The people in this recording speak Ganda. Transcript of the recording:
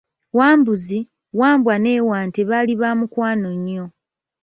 Wambuzi, Wambwa ne Wante baali ba mukwano nnyo.